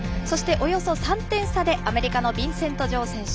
およそ３点差でアメリカのビンセント・ジョウ選手